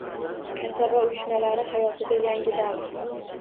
Kasaba uyushmalari hayotida yangi davr